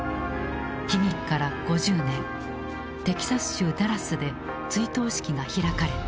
悲劇から５０年テキサス州ダラスで追悼式が開かれた。